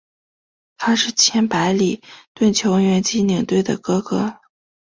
他是前白礼顿球员及领队的哥哥。